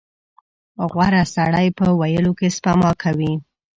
• غوره سړی په ویلو کې سپما کوي.